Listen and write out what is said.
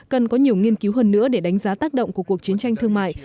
cần có nhiều nghiên cứu hơn nữa để đánh giá tác động của cuộc chiến tranh thương mại